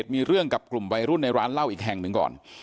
มีเรื่องกับกลุ่มวัยรุ่นในร้านเหล้าอีกแห่งหนึ่งก่อน